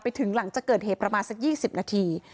ถึงหลังจากเกิดเหตุประมาณสัก๒๐นาที